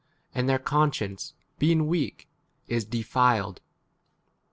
and their conscience, being weak, 8 is defiled.